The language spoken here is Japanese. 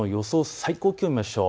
最高気温を見ましょう。